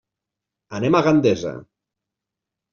Anem a Gandesa.